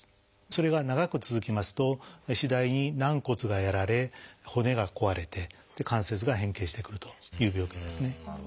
それが長く続きますと次第に軟骨がやられ骨が壊れて関節が変形してくるという病気ですね。